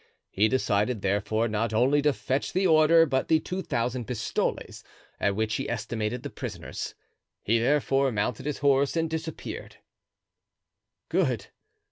He decided, therefore, not only to fetch the order, but the two thousand pistoles, at which he estimated the prisoners. He therefore mounted his horse and disappeared. "Good!"